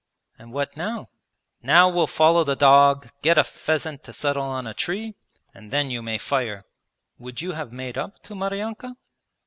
'And what now?' 'Now we'll follow the dog, get a pheasant to settle on a tree, and then you may fire.' 'Would you have made up to Maryanka?'